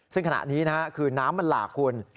ซึ่งขณะนี้คือน้ำมันหลากคุณ